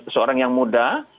seorang yang muda